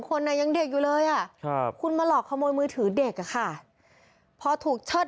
เขาให้ปัญญาณตามแต่เขาบิดเร็วมากเลย